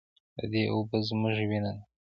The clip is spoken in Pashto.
د دې اوبه زموږ وینه ده؟